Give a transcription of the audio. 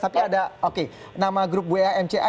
tapi ada oke nama grup wa mca